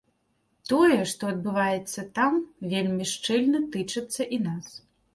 Тое, што адбываецца там, вельмі шчыльна тычыцца і нас.